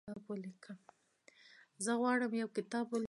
زه غواړم یو کتاب ولیکم.